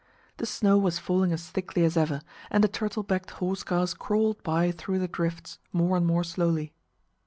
The snow was falling as thickly as ever, and the turtle backed horse cars crawled by through the drifts, more and more slowly.